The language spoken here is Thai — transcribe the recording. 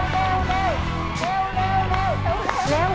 เร็วเร็วเร็วเร็วเร็วเร็วเร็ว